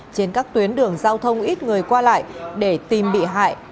trên các tuyến đường giao thông ít người qua lại để tìm bị hại